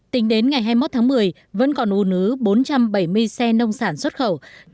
tính đến ngày hai mươi một tháng một mươi vẫn còn ủ nứ bốn trăm bảy mươi xe nông sản xuất khẩu